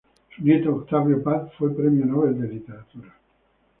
Su nieto Octavio Paz fue Premio Nobel de Literatura.